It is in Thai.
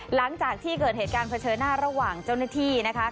หลังจากที่เกิดเหตุการณ์เผชิญหน้าระหว่างเจ้าหน้าที่นะคะ